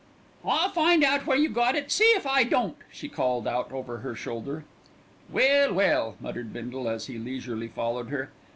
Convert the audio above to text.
"I'll find out where you got it, see if I don't," she called out over her shoulder. "Well, well!" muttered Bindle as he leisurely followed her.